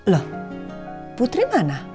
loh putri mana